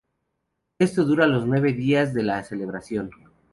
Esto dura los nueve días de la celebración.